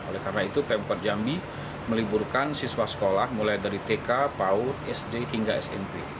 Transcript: oleh karena itu pemper jambi meliburkan siswa sekolah mulai dari tk paud sd hingga smp